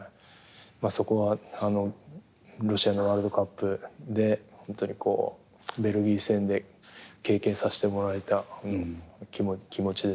そこはロシアのワールドカップで本当にこうベルギー戦で経験させてもらえた気持ちですね。